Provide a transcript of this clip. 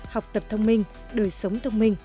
học tập thông minh đời sống thông minh